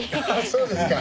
そうですか。